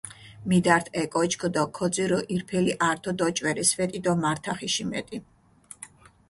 მიდართ ე კოჩქჷ დო ქოძირჷ, ირფელი ართო დოჭვერე სვეტი დო მართახიში მეტი